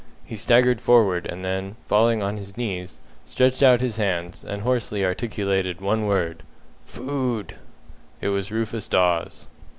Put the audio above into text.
He staggered forward, and then, falling on his knees, stretched out his hands, and hoarsely articulated one word "Food." It was Rufus Dawes.